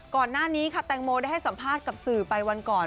ก่อนหน้านี้ค่ะแตงโมได้ให้สัมภาษณ์กับสื่อไปวันก่อน